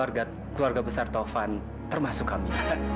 seluruh anggota keluarga besar taufan termasuk kami